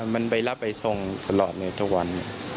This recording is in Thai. มันไปรับไปทรงตลอดในทะวัน